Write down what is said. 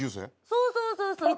そうそうそうそう。